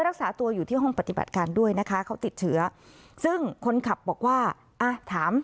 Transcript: การด้วยนะคะเขาติดเฉือซึ่งคนขับบอกว่าอ่ะถาม